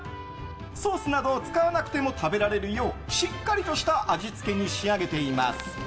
ソースなどを使わなくても食べられるようしっかりとした味付けに仕上げています。